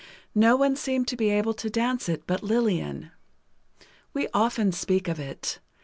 No one seemed to be able to dance it but Lillian. We often speak of it.